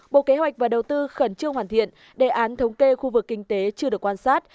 bộ kế hoạch và đầu tư khẩn trương hoàn thiện đề án thống kê khu vực kinh tế chưa được quan sát